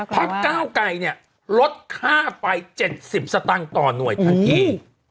พักก้าวไกรเนี่ยลดค่าไฟ๗๐สตางค์ต่อหน่วยทันที